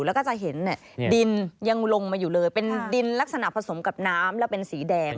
แล้วก็จะเห็นดินยังลงมาอยู่เลยเป็นดินลักษณะผสมกับน้ำแล้วเป็นสีแดง